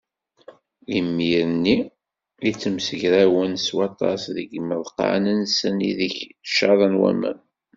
Imir-nni i ttemsegrawen s waṭas deg yimeḍqan-nsen ideg caḍen waman.